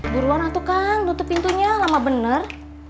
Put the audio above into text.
buruan atuh kang tutup pintunya lama bener